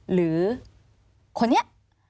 หรือคนเนี่ย